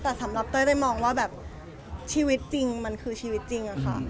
แต่สำหรับเต้ยเต้ยมองว่าแบบชีวิตจริงมันคือชีวิตจริงอะค่ะ